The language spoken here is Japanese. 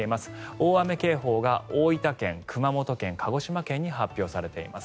大雨警報が、大分県、熊本県鹿児島県に発表されています。